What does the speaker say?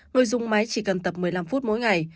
người dùng máy chỉ cần tập một mươi năm phút mỗi ngày